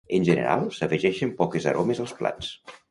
En general s'afegeixen poques aromes als plats